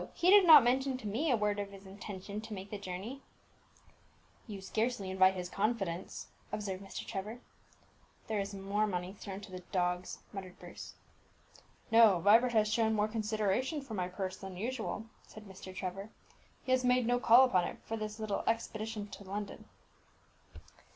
He did not mention to me a word of his intention to make the journey." "You scarcely invite his confidence," observed Mr. Trevor. "There is more money thrown to the dogs," muttered Bruce. "No; Vibert has shown more consideration for my purse than usual," said Mr. Trevor. "He has made no call upon it for this little expedition to London."